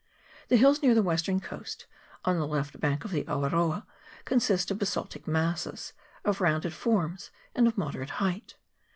The hills near the western coast, on the left bank of the Awaroa, consist of basaltic masses, of rounded forms and of moderate height.